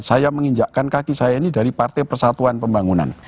saya menginjakkan kaki saya ini dari partai persatuan pembangunan